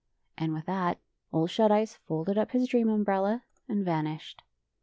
And with that Ole Shut Eyes folded up his dream umbrella and vanished.